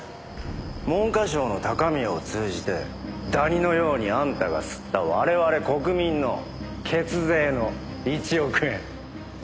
文科省の高宮を通じてダニのようにあんたが吸った我々国民の血税の１億円。